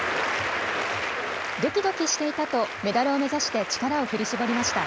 どきどきしていたとメダルを目指して力を振り絞りました。